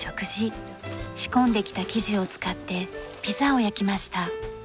仕込んできた生地を使ってピザを焼きました。